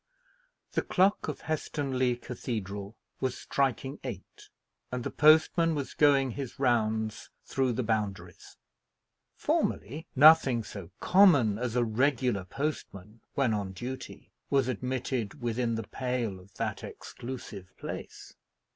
The clock of Helstonleigh Cathedral was striking eight, and the postman was going his rounds through the Boundaries. Formerly, nothing so common as a regular postman, when on duty, was admitted within the pale of that exclusive place.